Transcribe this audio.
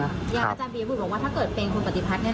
อย่างอาจารย์บี๊บอกว่าถ้าเกิดเป็นคนปฏิพัฒน์นี้